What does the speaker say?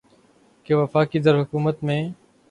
کہ وفاقی دارالحکومت میں